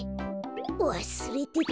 わすれてた。